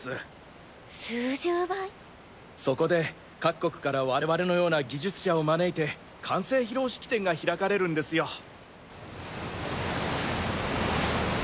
そこで各国から我々のような技術者を招いて完成披露式典が開かれるんですよ。